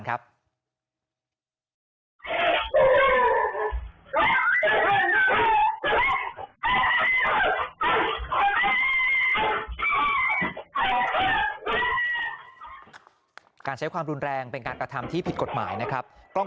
การใช้ความรุนแรงเป็นการกระทำที่ผิดกฎหมายนะครับกล้อง